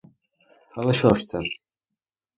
Але що ж це?